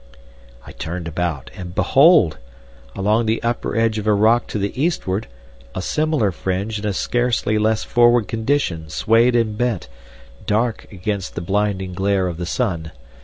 I turned about, and behold! along the upper edge of a rock to the eastward a similar fringe in a scarcely less forward condition swayed and bent, dark against the blinding glare of the sun.